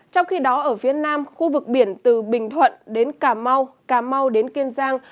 trong khi đó ở phía nam khu vực biển từ bình thuận đến cà mau cà mau đến kiên giang